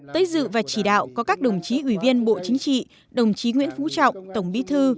tới dự và chỉ đạo có các đồng chí ủy viên bộ chính trị đồng chí nguyễn phú trọng tổng bí thư